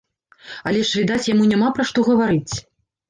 Але ж, відаць, яму няма пра што гаварыць.